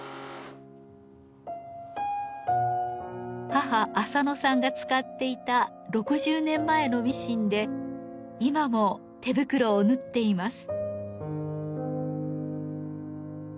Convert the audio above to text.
母アサノさんが使っていた６０年前のミシンで今も手袋を縫っています。